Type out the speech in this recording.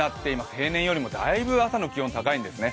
平年よりもだいぶ朝の気温高いんですね。